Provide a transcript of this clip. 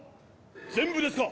全部ですか？